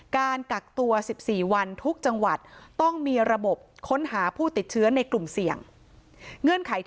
การกักตัว๑๔วันทุกจังหวัดต้องมีระบบค้นหาผู้ติดเชื้อในกลุ่มเสี่ยง